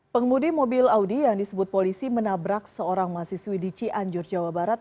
pengemudi mobil audi yang disebut polisi menabrak seorang mahasiswi di cianjur jawa barat